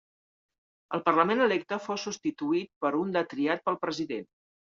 El Parlament electe fou substituït per un de triat pel president.